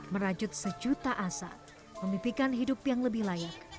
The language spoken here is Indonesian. merajut sejuta asa memipikan hidup yang lebih layak